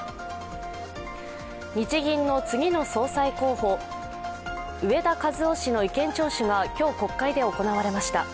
日銀の次の総裁候補、植田和男氏の意見聴取が今日、国会で行われました。